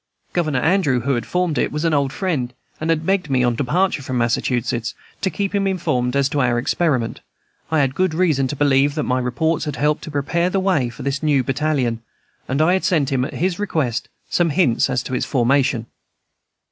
Governor Andrew, who had formed it, was an old friend, and had begged me, on departure from Massachusetts, to keep him informed as to our experiment I had good reason to believe that my reports had helped to prepare the way for this new battalion, and I had sent him, at his request, some hints as to its formation.